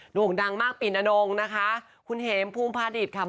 หนุ่มดังมากปิ่นอนงนะคะคุณเห็มภูมิพระอดิษฐ์ค่ะ